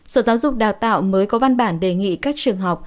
sở giáo dục đào tạo mới có văn bản đề nghị các trường học